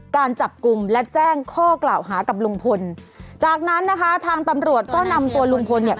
การจับกลุ่มและแจ้งข้อกล่าวหากับลุงพลจากนั้นนะคะทางตำรวจก็นำตัวลุงพลเนี่ย